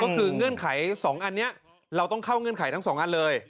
ก็คือเงื่อนไข๒อันนี้เราต้องเข้าเงื่อนไขทั้ง๒อันเลย